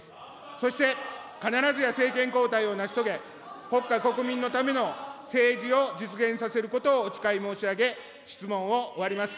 そして必ずや政権交代を成し遂げ、国家、国民のための政治を実現させることをお誓い申し上げ質問を終わります。